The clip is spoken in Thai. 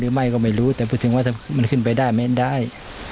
หรือไม่ก็ไม่รู้แต่พูดถึงว่าถ้ามันขึ้นไปได้ไม่ได้